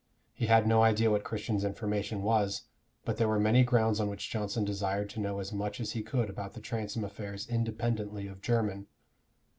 He had no idea what Christian's information was, but there were many grounds on which Johnson desired to know as much as he could about the Transome affairs independently of Jermyn.